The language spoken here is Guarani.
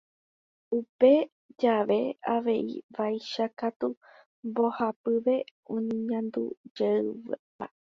Upe jave avei vaicháku mbohapyve oñeñandujeýva.